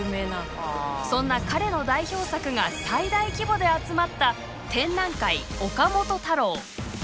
そんな彼の代表作が最大規模で集まった「展覧会岡本太郎」。